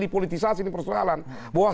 dipolitisasi persoalan bahwa